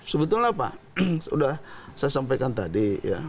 sebetulnya pak sudah saya sampaikan tadi ya